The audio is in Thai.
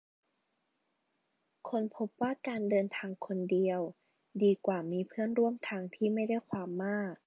ค้นพบว่าการเดินทางคนเดียวดีกว่ามีเพื่อนร่วมทางที่ไม่ได้ความมาก